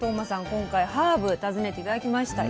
今回ハーブ訪ねて頂きました。